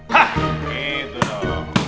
hah gitu dong